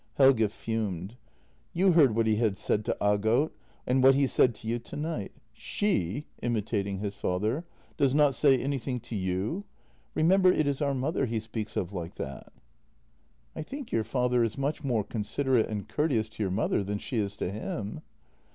Helge fumed. " You heard JENNY 150 what he had said to Aagot — and what he said to you tonight. ' She '"— imitating his father —" does not say anything to you! Remember it is our mother he speaks of like that." " I think your father is much more considerate and courteous to your mother than she is to him."